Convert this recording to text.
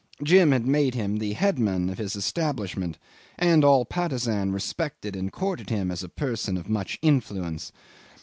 Jim had made him the headman of his establishment, and all Patusan respected and courted him as a person of much influence.